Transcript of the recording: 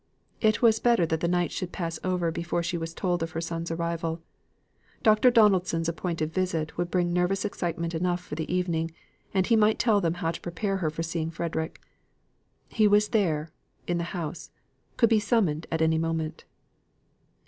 It was better that the night should pass over before she was told of her son's arrival. Dr. Donaldson's appointed visit would bring nervous excitement enough for the evening; and he might tell them how to prepare her for seeing Frederick. He was there, in the house; could be summoned at any moment.